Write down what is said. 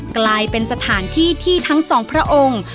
กลายเป็นสถานที่ที่ทั้งสองพระองค์